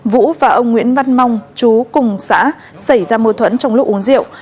vũ và ông nguyễn văn mong chú cùng xã xảy ra mâu thuẫn trong lúc uống rượu